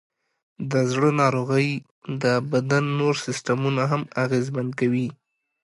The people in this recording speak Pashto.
د زړه ناروغۍ د بدن نور سیستمونه هم اغېزمن کوي.